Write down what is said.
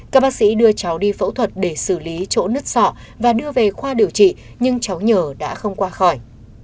các bác sĩ đưa cháu đi phẫu thuật để xử lý chỗ nứt sọ và đưa về khoa điều trị nhưng cháu nhờ đã không qua khỏi